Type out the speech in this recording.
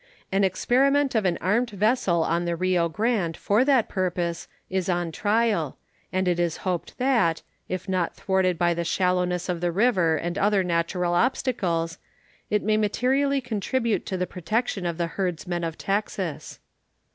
An experiment of an armed vessel on the Rio Grande for that purpose is on trial, and it is hoped that, if not thwarted by the shallowness of the river and other natural obstacles, it may materially contribute to the protection of the herdsmen of Texas.